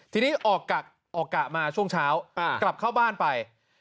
ทีนี้ออกกะมาช่วงเช้ากลับเข้าบ้านไป